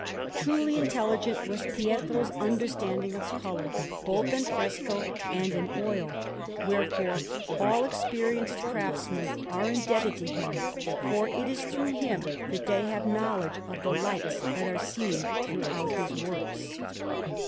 Truly intelligent was Pietro's understanding of colour, both in fresco and in oil; wherefore all experienced craftsmen are indebted to him, for it is through him that they have knowledge of the lights that are seen throughout his works.